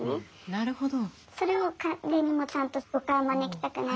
なるほど。